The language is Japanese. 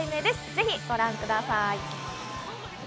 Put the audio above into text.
ぜひご覧ください。